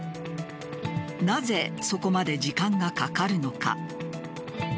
なぜそこまで時間がかかるのか。